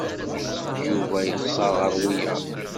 Yuba yexẓer ɣer wiyaḍ.